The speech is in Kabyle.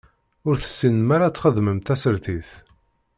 Ur tessinem ara ad txedmem tasertit.